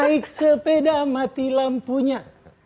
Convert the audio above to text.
naik sepeda mati lampunya